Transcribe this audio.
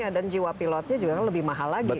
dan jiwa pilotnya juga lebih mahal lagi kan